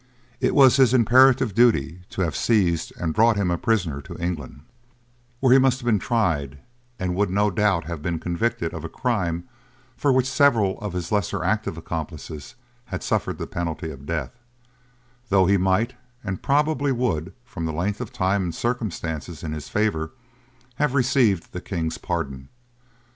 It was his imperative duty to have seized and brought him a prisoner to England, where he must have been tried, and would no doubt have been convicted of a crime for which several of his less active accomplices had suffered the penalty of death; though he might, and probably would, from length of time and circumstances in his favour, have received the king's pardon.